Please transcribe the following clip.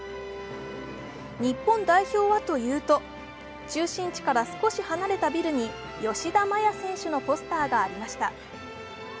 日本代表はというと中心地から少し離れたビルに吉田麻也選手のポスターがありました。